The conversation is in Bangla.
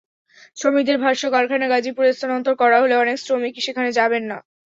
শ্রমিকদের ভাষ্য, কারখানা গাজীপুরে স্থানান্তর করা হলে অনেক শ্রমিকই সেখানে যাবেন না।